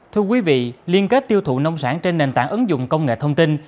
thưa quý vị liên kết tiêu thụ nông sản trên nền tảng ứng dụng công nghệ thông tin